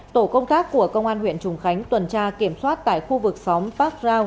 tổ công tác của công an huyện trùng khánh tuần tra kiểm soát tại khu vực xóm park dao